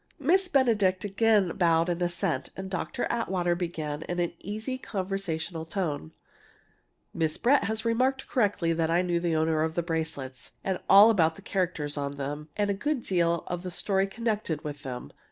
Miss Benedict again bowed in assent, and Dr. Atwater began in an easy, conversational tone: "Miss Brett has remarked correctly that I knew the owner of the bracelets, and all about the characters on them, and a good deal of the story connected with them.